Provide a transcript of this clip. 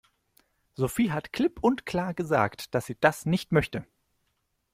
Sophie hat klipp und klar gesagt, dass sie das nicht möchte.